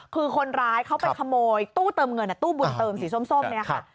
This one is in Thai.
คือคนร้ายเขาไปขโมยตู้เติมเงินตู้บุญเติมสีส้มเนี่ยค่ะ